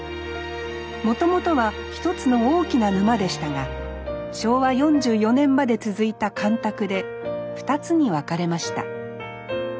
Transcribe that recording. もともとは１つの大きな沼でしたが昭和４４年まで続いた干拓で２つに分かれました。